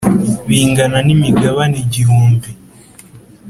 bingana n,imigabane igihumbi .